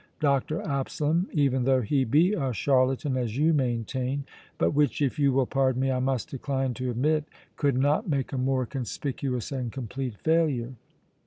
Dr. Absalom, even though he be a charlatan as you maintain, but which, if you will pardon me, I must decline to admit, could not make a more conspicuous and complete failure!"